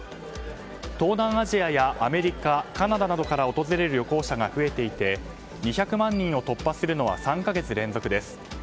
東南アジアやアメリカ、カナダなどから訪れる旅行者が増えていて２００万人を突破するのは３か月連続です。